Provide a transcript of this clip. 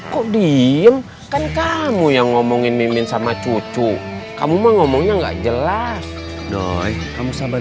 kok diem kan kamu yang ngomongin mimpin sama cucu kamu mah ngomongnya enggak jelas dong kamu sabar